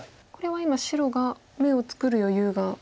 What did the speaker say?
これは今白が眼を作る余裕が。